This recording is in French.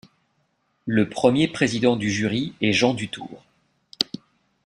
Le premier président du jury est Jean Dutourd.